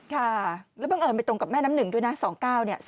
ค่ะแล้วบังเอิญไปตรงกับแม่น้ำหนึ่งด้วยนะ๒๙เนี่ย